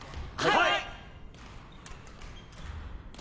はい！